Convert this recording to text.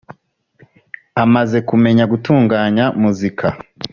Amaze kumenya gutunganya muzika